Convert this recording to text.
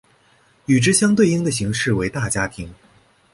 与之相对应的形式为大家庭。